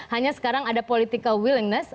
hanya sekarang ada political willingness